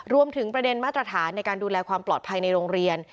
รวมถึงประเด็นมาตรฐานในการดูแลความปลอดภัยในโรงเรียน